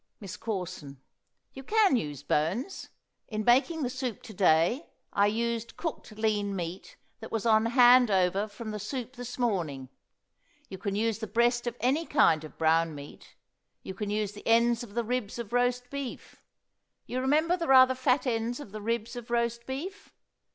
MISS CORSON. You can use bones. In making the soup to day I used cooked lean meat that was on hand over from the soup this morning. You can use the breast of any kind of brown meat; you can use the ends of the ribs of roast beef; you remember the rather fat ends of the ribs of roast beef?